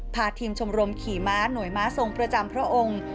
พาทีมชมรมขี่ม้าหน่วยม้าทรงประจำพระองค์